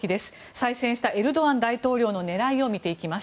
再選したエルドアン大統領の狙いを見ていきます。